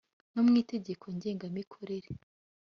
no mu itegeko ngengamikorere